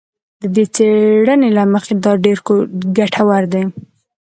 د دې څېړنې له مخې دا ډېر ګټور دی